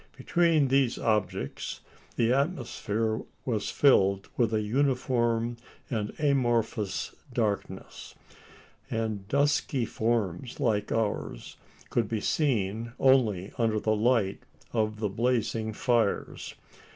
Between these objects the atmosphere was filled with a uniform and amorphous darkness; and dusky forms like ours could be seen only under the light of the blazing fires.